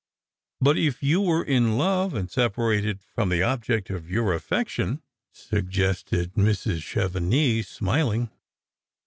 " But if you were in love, and separated from the object of your aff'ection ?" suggested Mrs. Chevenix, smiling.